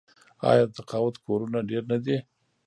آیا د تقاعد کورونه ډیر نه دي؟